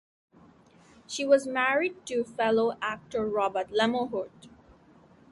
She was married to fellow actor Robert Lamoureux.